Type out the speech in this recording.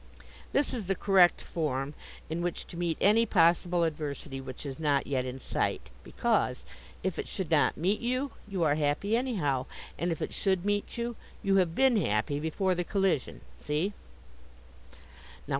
This is the correct form in which to meet any possible adversity which is not yet in sight. Because, if it should not meet you, you are happy anyhow, and if it should meet you, you have been happy before the collision. See?